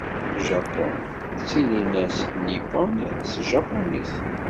Japun ttinin-as Nippon s tjapunit.